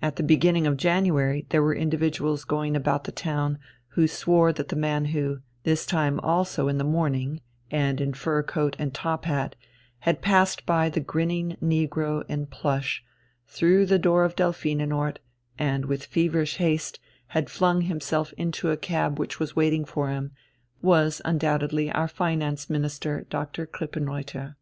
At the beginning of January there were individuals going about the town who swore that the man who, this time also in the morning and in fur coat and top hat, had passed by the grinning negro in plush, through the door of Delphinenort, and, with feverish haste, had flung himself into a cab which was waiting for him, was undoubtedly our Finance Minister, Dr. Krippenreuther.